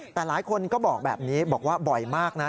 แต่หลายคนก็บอกแบบนี้บอกว่าบ่อยมากนะ